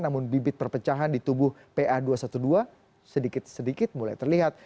namun bibit perpecahan di tubuh pa dua ratus dua belas sedikit sedikit mulai terlihat